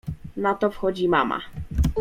Na to wchodzi mama.